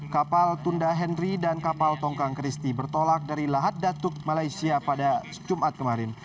kapal tunda henry dan kapal tongkang christie bertolak dari lahat datuk malaysia pada jumat kemarin